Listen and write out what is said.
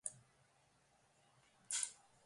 高效運用時間